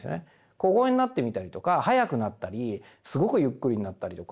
小声になってみたりとか早くなったりすごくゆっくりになったりとか。